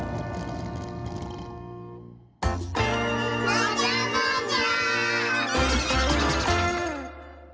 もじゃもじゃ！